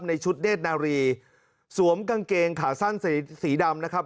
ในชุดเดชนารีสวมกางเกงขาสั้นใส่สีดำนะครับ